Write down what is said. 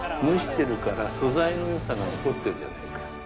蒸してるから素材の良さが残ってるじゃないですか。